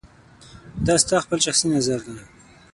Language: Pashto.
دا ستا خپل شخصي نظر دی